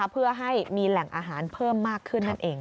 เพื่อให้มีแหล่งอาหารเพิ่มมากขึ้นนั่นเอง